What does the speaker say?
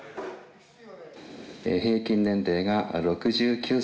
平均年齢が６９歳。